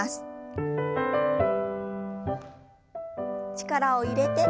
力を入れて。